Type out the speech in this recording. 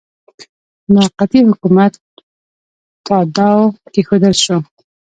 د موقتي حکومت تاداو کښېښودل شو.